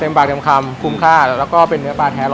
ปลาเต็มคำคุ้มค่าแล้วก็เป็นเนื้อปลาแท้ห